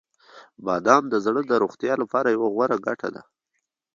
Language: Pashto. • بادام د زړه د روغتیا لپاره یوه غوره ګټه ده.